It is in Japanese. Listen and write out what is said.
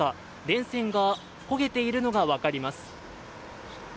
電線が焦げているのが分かります。